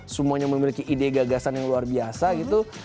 semuanya memiliki ide gagasan yang luar biasa gitu